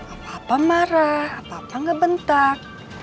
apa apa marah apa apa enggak bentak